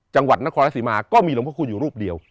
จังหวัดนครสิมาก็มีลมโพธิคูณอยู่รูปเดียว